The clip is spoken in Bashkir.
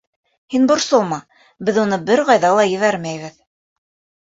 Һин борсолма, беҙ уны бер ҡайҙа ла ебәрмәйбеҙ.